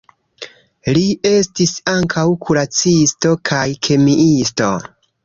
Li estis ankaŭ kuracisto kaj kemiisto.